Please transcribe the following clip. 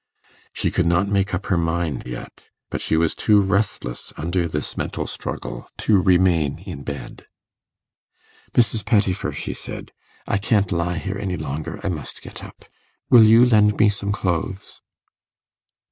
She could not make up her mind yet; but she was too restless under this mental struggle to remain in bed. 'Mrs. Pettifer,' she said, 'I can't lie here any longer; I must get up. Will you lend me some clothes?